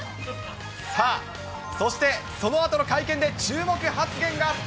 さあ、そしてそのあとの会見で注目発言が。